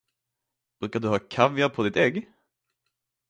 Brukar du ha kaviar på ditt ägg?